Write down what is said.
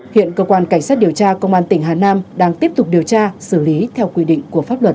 hiện cơ quan cảnh sát điều tra công an tỉnh hà nam đang tiếp tục điều tra xử lý theo quy định của pháp luật